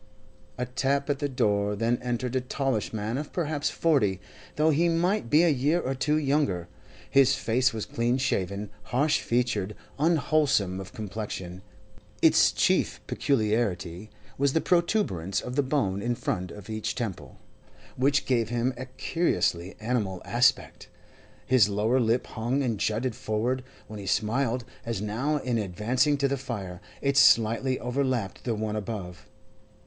A tap at the door, then entered a tallish man of perhaps forty, though he might be a year or two younger. His face was clean shaven, harsh featured, unwholesome of complexion; its chief peculiarity was the protuberance of the bone in front of each temple, which gave him a curiously animal aspect. His lower lip hung and jutted forward; when he smiled, as now in advancing to the fire, it slightly overlapped the one above.